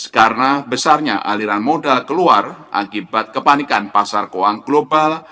karena besarnya aliran modal keluar akibat kepanikan pasar koang global